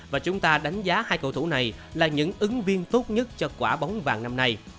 và chúng ta đánh giá hai cầu thủ này là những ứng viên tốt nhất cho quả bóng vàng năm nay